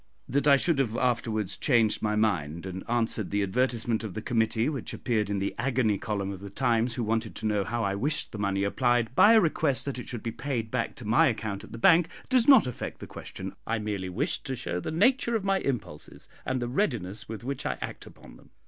That I should have afterwards changed my mind, and answered the advertisement of the committee, which appeared in the "agony" column of the 'Times,' who wanted to know how I wished the money applied, by a request that it should be paid back to my account at the Bank, does not affect the question; I merely wished to show the nature of my impulses, and the readiness with which I act upon them.